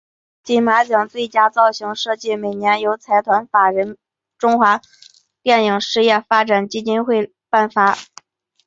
金马奖最佳造型设计每年由财团法人中华民国电影事业发展基金会颁发。